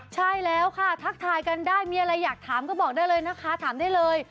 ใช่แล้วค่ะทักทายกันได้มีอะไรอยากถามก็บอกได้เลยนะคะถามได้เลย